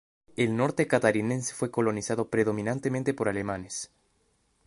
El Norte catarinense fue colonizado predominantemente por alemanes.